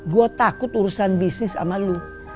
gua takut urusan bisnis sama lu